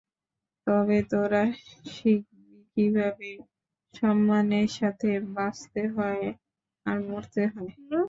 তবেই তোরা শিখবি কীভাবে সম্মানের সাথে বাঁচতে হয় আর মরতে হয়।